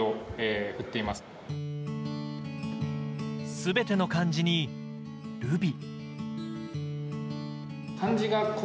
全ての漢字にルビ。